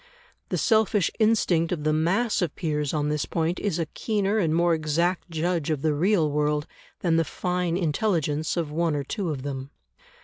The selfish instinct of the mass of peers on this point is a keener and more exact judge of the real world than the fine intelligence of one or two of them.